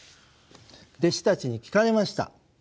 弟子たちに聞かれました。